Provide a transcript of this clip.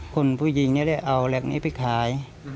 คนผู้หญิงนี่เอาแบบนี้ไปขาย